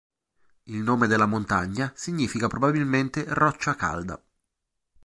Il nome della montagna significa probabilmente "roccia calda".